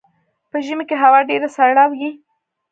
په ژمي کې هوا ډیره سړه وي